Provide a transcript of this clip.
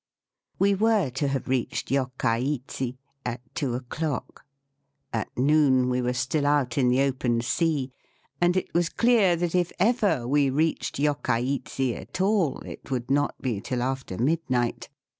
We were to have reached Yokkaichi at two o'clock. At noon we were still out in the open sea, and it was clear that if ever we reached Yokkaichi at all it would not be till after midnight.